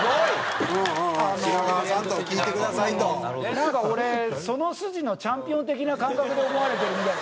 なんか俺その筋のチャンピオン的な感覚で思われてるみたい。